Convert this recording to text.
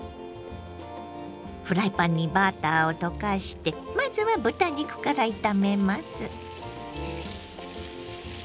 フライパンにバターを溶かしてまずは豚肉から炒めます。